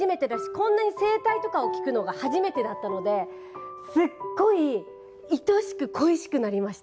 こんなに生態とかを聞くのが初めてだったのですっごいいとしく恋しくなりました。